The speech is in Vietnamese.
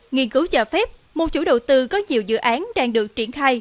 nghiên cứu cho phép một chủ đầu tư có nhiều dự án đang được triển khai